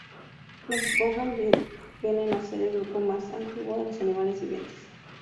Las esponjas vienen a ser el grupo más antiguo de animales vivientes.